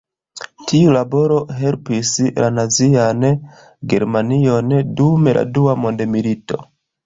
Tiu laboro helpis la nazian Germanion dum la dua mondmilito.